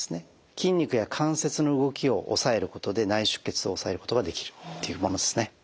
筋肉や関節の動きをおさえることで内出血をおさえることができるっていうものですね。